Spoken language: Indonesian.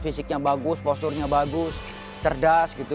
fisiknya bagus posturnya bagus cerdas gitu